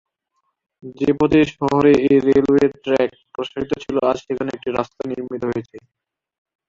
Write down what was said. যে পথে শহরে এই রেলওয়ের ট্র্যাক প্রসারিত ছিল আজ সেখানে একটি রাস্তা নির্মিত হয়েছে।